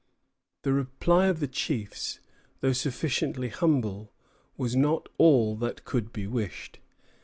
The reply of the chiefs, though sufficiently humble, was not all that could be wished.